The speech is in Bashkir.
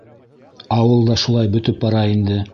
Ауыл да шулай бөтөп бара инде.